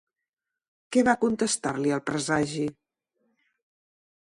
Què va contestar-li el presagi?